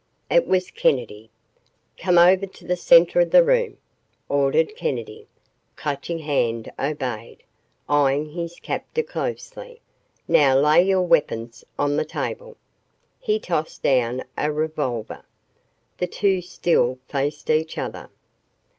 It was Kennedy! "Come over to the center of the room," ordered Kennedy. Clutching Hand obeyed, eyeing his captor closely. "Now lay your weapons on the table." He tossed down a revolver. The two still faced each other.